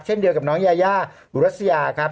เช่นเดียวกับน้องยายาอุรัสยาครับ